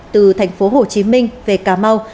từ tp hcm về cà mau